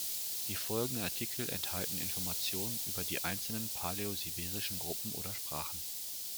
Die folgenden Artikel enthalten Informationen über die einzelnen paläosibirischen Gruppen oder Sprachen.